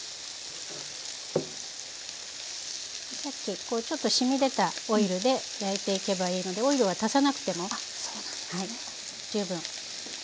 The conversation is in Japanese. さっきこうちょっと染み出たオイルで焼いていけばいいのでオイルは足さなくても十分。